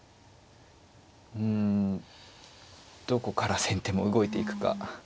うんどこから先手も動いていくか。